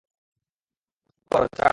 চুপ কর, চাক।